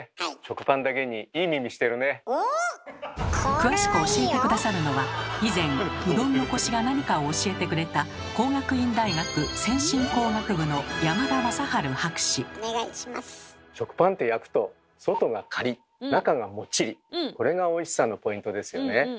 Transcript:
詳しく教えて下さるのは以前うどんのコシが何かを教えてくれた食パンって焼くとこれがおいしさのポイントですよね。